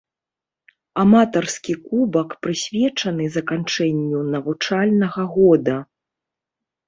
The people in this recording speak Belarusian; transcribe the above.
Аматарскі кубак прысвечаны заканчэнню навучальнага года.